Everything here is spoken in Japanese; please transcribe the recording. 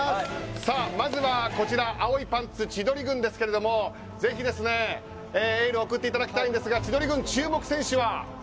まずは、こちら青いパンツ千鳥軍ですけれどもぜひエールを送っていただきたいんですが千鳥軍、注目選手は？